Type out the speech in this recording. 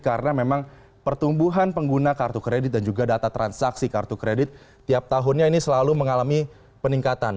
karena memang pertumbuhan pengguna kartu kredit dan juga data transaksi kartu kredit tiap tahunnya ini selalu mengalami peningkatan